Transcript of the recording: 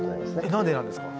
えっ何でなんですか？